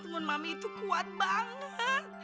teman mami itu kuat banget